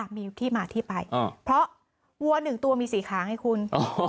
อ่ะมีที่มาที่ไปเพราะวัว๑ตัวมี๔ขาไงคุณ